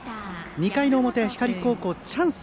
２回表、光高校はチャンス。